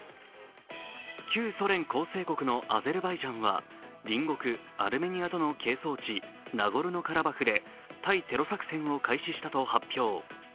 旧ソ連構成国のアゼルバイジャンは隣国・アルメニアとの係争地、ナゴルノ・カラバフで対テロ作戦を開始したと発表。